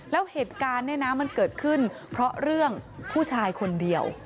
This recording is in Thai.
แล้วเหตุการณ์เนี่ยนะมันเกิดขึ้นเพราะเรื่องผู้ชายคนเดียว